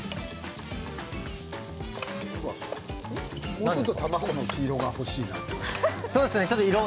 もうちょっと卵の黄色が欲しいな。